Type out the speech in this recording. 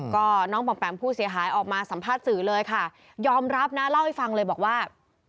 ก็น้องปำแปมผู้เสียหายออกมาสัมภาษณ์สื่อเลยค่ะยอมรับนะเล่าให้ฟังเลยบอกว่า